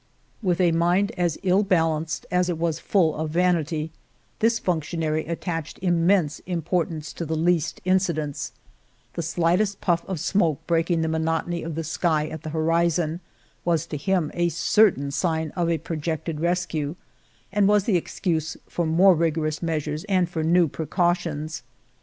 With a mind as ill balanced as it was full of vanity, this functionary attached immense impor tance to the least incidents : the slightest puff of smoke breaking the monotony of the sky at the horizon was to him a certain sign of a projected rescue, and was the excuse for more rigorous measures and for new precautions.